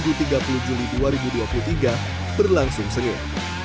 pada minggu tiga puluh juli dua ribu dua puluh tiga berlangsung sengit